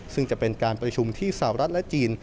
ซึ่งจะเป็นการประชุมที่สาวรัฐและจีน